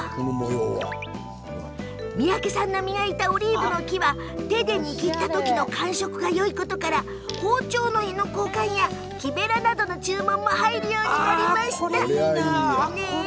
三宅さんの磨いたオリーブの木は手で握ったときの感触がよいことから包丁の柄の交換や木べらなどの注文も入るようになりました。